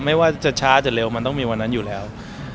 ไม่ว่าจะช้าจะเร็วมันต้องมีวันนั้นอยู่แล้ว